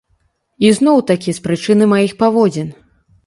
І зноў-такі з прычыны маіх паводзін.